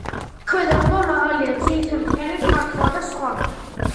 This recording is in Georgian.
ქვედა ყბა მაღალია, ძირითადი კბილები ფართოა და სხვა.